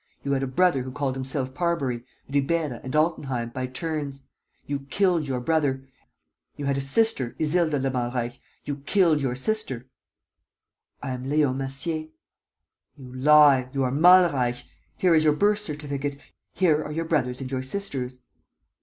You had a brother who called himself Parbury, Ribeira and Altenheim, by turns: you killed your brother. You had a sister, Isilda de Malreich: you killed your sister." "I am Leon Massier." "You lie. You are Malreich. Here is your birth certificate. Here are your brother's and your sister's."